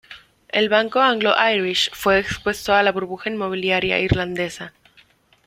El Banco Anglo-Irish fue expuesto a la burbuja inmobiliaria irlandesa.